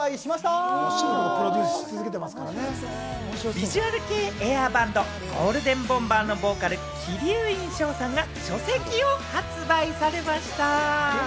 ビジュアル系エアバンド・ゴールデンボンバーのボーカル・鬼龍院翔さんが書籍を発売されました！